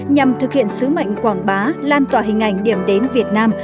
nhằm thực hiện sứ mệnh quảng bá lan tỏa hình ảnh điểm đến việt nam